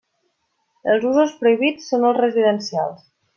Els usos prohibits són els residencials.